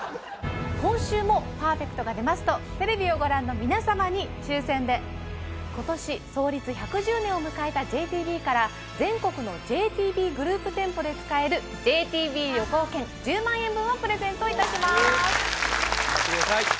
今週もパーフェクトが出ますとテレビをご覧の皆様に抽選で今年創立１１０年を迎えたＪＴＢから全国のＪＴＢグループ店舗で使えるＪＴＢ旅行券１０万円分をプレゼントいたします頑張ってください